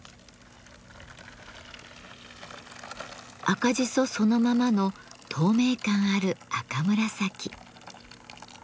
赤じそそのままの透明感ある赤紫。